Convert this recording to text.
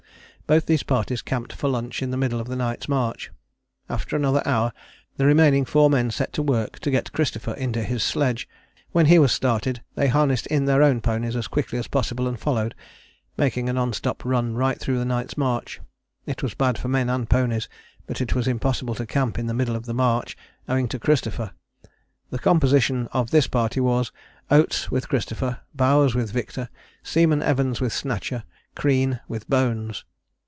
Both these parties camped for lunch in the middle of the night's march. After another hour the remaining four men set to work to get Christopher into his sledge; when he was started they harnessed in their own ponies as quickly as possible and followed, making a non stop run right through the night's march. It was bad for men and ponies, but it was impossible to camp in the middle of the march owing to Christopher. The composition of this party was, Oates with Christopher, Bowers with Victor, Seaman Evans with Snatcher, Crean with Bones.